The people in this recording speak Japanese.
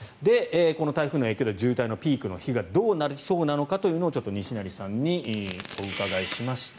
この台風の影響で渋滞のピークの日がどうなりそうかちょっと西成さんにお伺いしました。